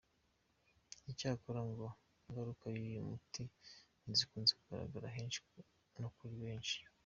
Icyakora ngo ingaruka z’uyu muti ntizikunze kugaragara henshi no kuri benshi.